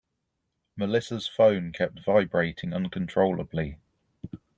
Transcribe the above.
Melissa's phone kept vibrating uncontrollably.